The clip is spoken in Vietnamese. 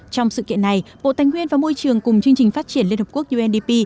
trong sự kiện này bộ tài nguyên và môi trường cùng chương trình phát triển liên hợp quốc undp